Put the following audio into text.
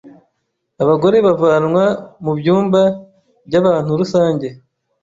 Abagore bavanwa mu byumba by’abantu rusange,